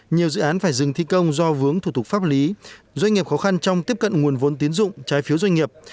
nhiều dự án phải dừng thi công do vướng thủ tục pháp lý doanh nghiệp khó khăn trong tiếp cận nguồn vốn tiến dụng trái phiếu doanh nghiệp